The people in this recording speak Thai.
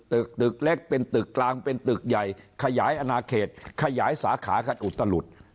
ตึกตึกเล็กเป็นตึกกลางเป็นตึกใหญ่ขยายอนาเขตขยายสาขากันอุตลุด